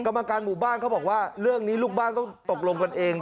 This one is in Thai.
กรรมการหมู่บ้านเขาบอกว่าเรื่องนี้ลูกบ้านต้องตกลงกันเอง